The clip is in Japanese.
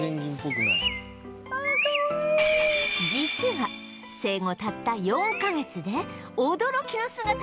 実は生後たった４カ月で驚きの姿になるんです！